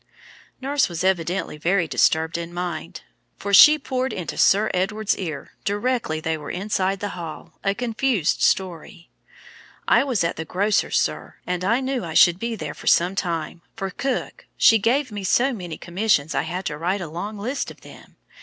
Nurse was evidently very disturbed in mind, for she poured into Sir Edward's ear, directly they were inside the hall, a confused story: "I was in the grocer's, sir, and I knew I should be there some time; for cook, she gave me so many commissions I had to write a long list of them.